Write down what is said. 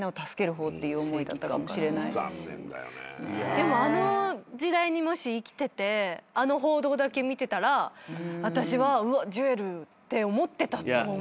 でもあの時代にもし生きててあの報道だけ見てたら私は「ジュエル」って思ってたと思う。